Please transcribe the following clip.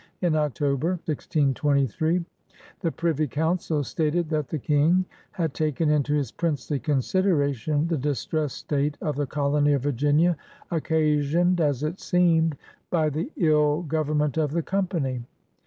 In October, 1623, the Privy Council stated that the Sling had ^' taken into his princely Consideration the distressed State of the Colony of Virginia, occasioned, as it seemed, by the III Government of the Company."